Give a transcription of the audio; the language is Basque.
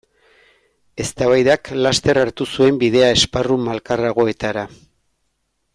Eztabaidak laster hartu zuen bidea esparru malkarragoetara.